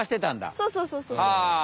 そうそうそうそう。